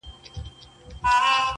غاړې وتي له شعره معما جوړه شوې ده